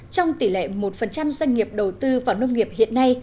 trong tỷ lệ một doanh nghiệp đầu tư vào nông nghiệp hiện nay